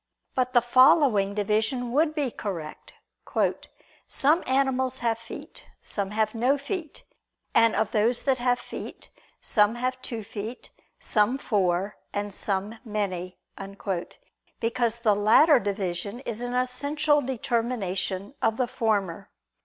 But the following division would be correct: "Some animals have feet, some have no feet: and of those that have feet, some have two feet, some four, some many": because the latter division is an essential determination of the former.